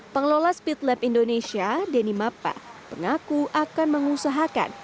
pengelola speedlab indonesia denny mappa pengaku akan mengusahakan